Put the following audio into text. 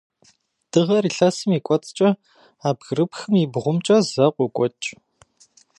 Дыгъэр илъэсым и кӏуэцӏкӏэ, а бгырыпхым и бгъумкӏэ зэ къокӏуэкӏ.